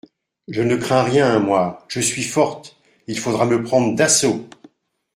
Je ne crains rien, moi, je suis forte, Il faudra me prendre d’assaut !